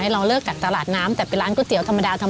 เราเลิกกับตลาดน้ำแต่ไปร้านก๋วยเตี๋ยวธรรมดาดีกว่า